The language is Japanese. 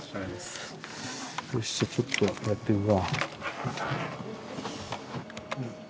よしちょっとやってくか。